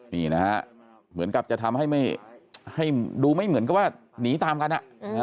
นี่นะฮะเหมือนกับจะทำให้ไม่ให้ดูไม่เหมือนกับว่าหนีตามกันอ่ะ